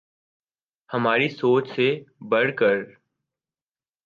ہماری سوچ سے بڑھ کر